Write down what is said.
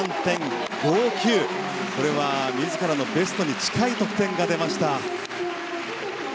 これは自らのベストに近い得点が出ました。